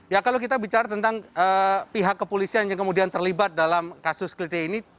ya kalau kita bicara tentang pihak kepolisian yang kemudian terlibat dalam kasus klitian ini